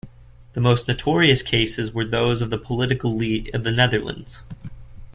The most notorious cases were those of the political elite of the Netherlands.